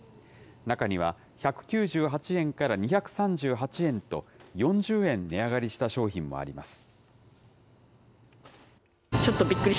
中には１９８円から２３８円と、４０円値上がりした商品もあります。